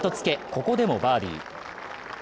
ここでもバーディー。